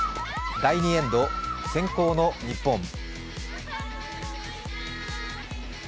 第２エンド、先攻の日本。